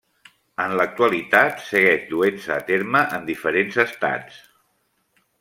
En l'actualitat segueix duent-se a terme en diferents estats.